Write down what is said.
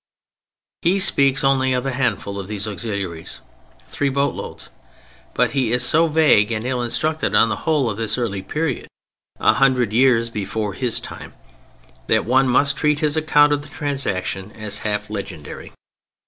He speaks only of a handful of these auxiliaries, three boatloads; but he is so vague and ill instructed on the whole of this early period—a hundred years before his time—that one must treat his account of the transaction as half legendary.